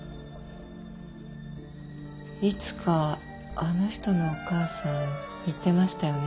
いつかあの人のお母さん言ってましたよね。